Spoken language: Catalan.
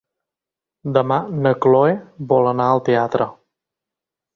Demà na Cloè vol anar al teatre.